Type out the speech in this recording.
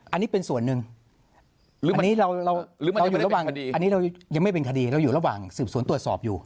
อันนี้เป็นส่วนหนึ่งอันนี้เรายังไม่เป็นคดีเราอยู่ระหว่างส่วนตรวจสอบอยู่